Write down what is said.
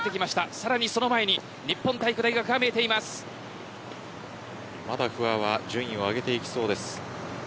さらにその前に日本体育大学がまだ不破は順位を上げていきそうです。